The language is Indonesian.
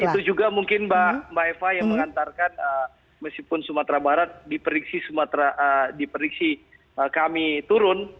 dan itu juga mungkin mbak eva yang mengantarkan meskipun sumatera barat diperdiksi kami turun